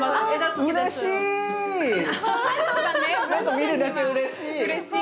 見るだけうれしい。